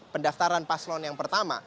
pendaftaran paslon yang pertama